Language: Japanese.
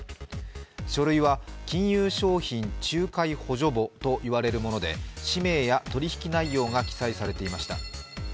書類は金融商品仲介補助簿といわれるもので氏名や取り引き内容が記載されていました。